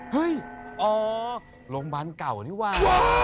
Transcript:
เฮ้ยอ๋อโรงพยาบาลเก่านี่ว่ะ